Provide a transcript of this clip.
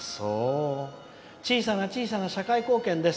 小さな小さな社会貢献です。